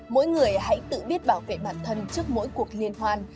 mỗi người hãy tự biết bảo vệ bản thân trước mỗi cuộc liên hoan